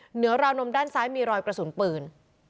เหนือราวนมด้านซ้ายมีรอยกระสุนปืน